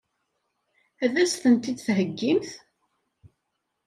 Ad as-tent-id-theggimt?